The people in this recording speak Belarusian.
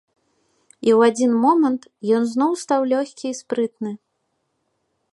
І ў адзін момант ён зноў стаў лёгкі і спрытны.